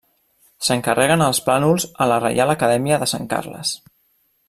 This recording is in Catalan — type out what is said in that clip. S'encarreguen els plànols a la Reial Acadèmia de Sant Carles.